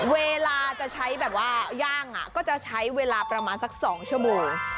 เวลาจะใช้แบบว่าย่างก็จะใช้เวลาประมาณสัก๒ชั่วโมง